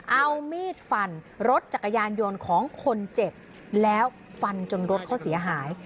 เอามีดฟันรถจักรยานยนต์ของคนเจ็บแล้วฟันจนรถเขาเสียหาย